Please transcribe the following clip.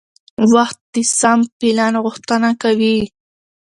وخت د سم پلان غوښتنه کوي